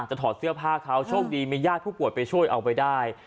ถอดเสื้อผ้าเขาโชคดีมีญาติผู้ป่วยไปช่วยเอาไปได้